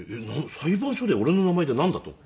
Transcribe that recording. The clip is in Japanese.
裁判所で俺の名前でなんだ？と。